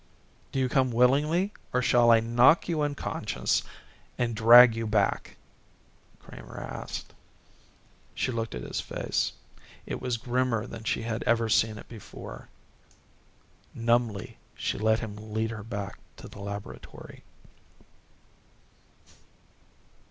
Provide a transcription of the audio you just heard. "Do you come willingly or shall I knock you unconscious and drag you back?" Kramer asked. She looked at his face. It was grimmer than she had ever seen it before. Numbly she let him lead her back to the laboratory.